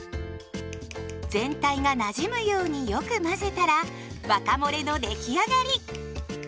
全体がなじむようによく混ぜたらワカモレの出来上がり。